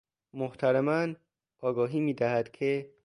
محترماً آگاهی میدهد که...